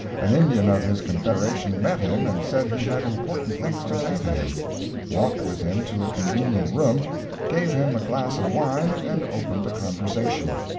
An Indian of his confederation met him and said he had important things to say to him; walked with him to a convenient room, gave him a glass of wine and opened the conversation.